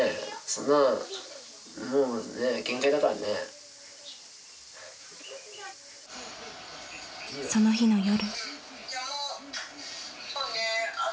［その日の夜］